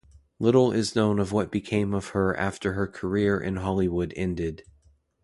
Little is known of what became of her after her career in Hollywood ended.